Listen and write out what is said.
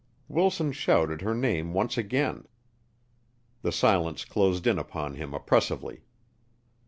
Wilson shouted her name once again. The silence closed in upon him oppressively.